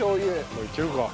もういけるか。